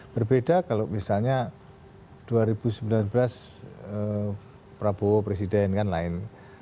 berbeda kalau misalnya dua ribu sembilan belas prabowo presiden kan lain